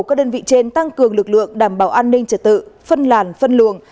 các đơn vị trên tăng cường lực lượng đảm bảo an ninh trật tự phân làn phân luồng